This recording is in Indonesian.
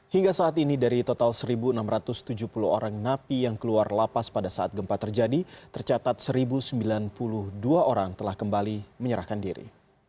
hingga saat ini dari total satu enam ratus tujuh puluh orang napi yang keluar lapas pada saat gempa terjadi tercatat satu sembilan puluh dua orang telah kembali menyerahkan diri